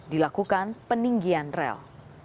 dilakukan peninggian rel